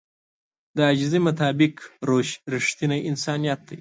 د عاجزي مطابق روش رښتينی انسانيت دی.